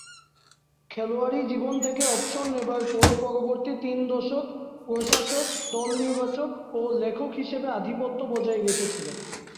খেলোয়াড়ী জীবন থেকে অবসর নেবার পর পরবর্তী তিন দশক প্রশাসক, দল নির্বাচক ও লেখক হিসেবে আধিপত্য বজায় রেখেছিলেন।